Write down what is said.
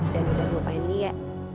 dan udah lupain dia